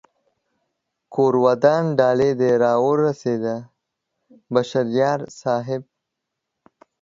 کور ودان ډالۍ دې را و رسېده بشر یار صاحب